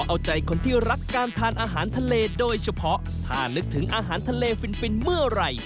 อาหารทะเลโดยเฉพาะถ้านึกถึงอาหารทะเลฟินฟินเมื่อไหร่